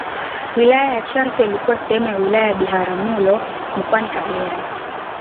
Wilaya ya Chato ilikuwa sehemu ya wilaya ya Biharamulo mkoani Kagera